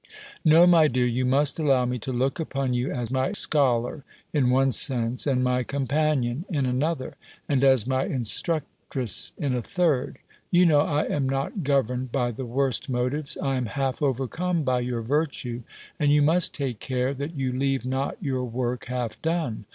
"No, my dear, you must allow me to look upon you as my scholar, in one sense; as my companion in another; and as my instructress, in a third. You know I am not governed by the worst motives: I am half overcome by your virtue: and you must take care, that you leave not your work half done.